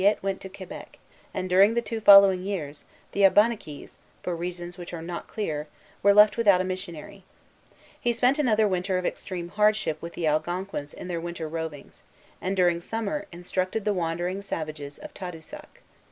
Early in the summer Druilletes went to Quebec; and during the two following years, the Abenaquis, for reasons which are not clear, were left without a missionary. He spent another winter of extreme hardship with the Algonquins on their winter rovings, and during summer instructed the wandering savages of Tadoussac.